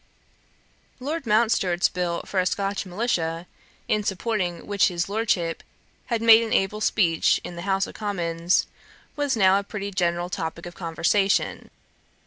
Lord Mountstuart's bill for a Scotch Militia, in supporting which his Lordship had made an able speech in the House of Commons, was now a pretty general topick of conversation.